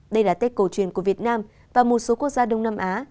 đây là tết cổ truyền của việt nam và một số quốc gia đông nam á